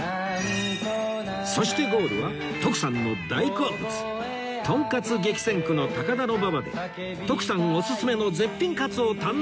そしてゴールは徳さんの大好物とんかつ激戦区の高田馬場で徳さんおすすめの絶品かつを堪能！